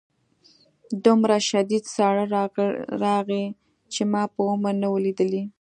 دومره شدید ساړه راغی چې ما په عمر نه و لیدلی